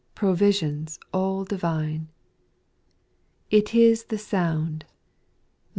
Provisions all divine. , It is the sound, &c.